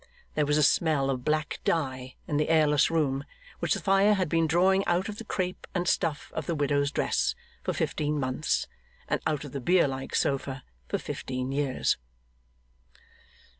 There was a smell of black dye in the airless room, which the fire had been drawing out of the crape and stuff of the widow's dress for fifteen months, and out of the bier like sofa for fifteen years.